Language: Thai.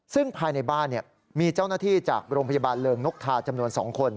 ซึ่งภายในบ้านมีเจ้าหน้าที่จากโรงพยาบาลเริงนกทาจำนวน๒คน